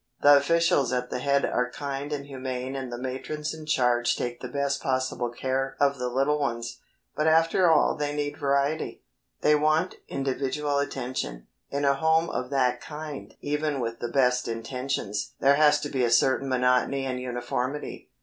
The officials at the head are kind and humane and the matrons in charge take the best possible care of the little ones, but after all they need variety. They want individual attention. In a home of that kind even with the best intentions there has to be a certain monotony and uniformity.